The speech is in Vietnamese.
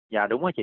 dạ đúng rồi chị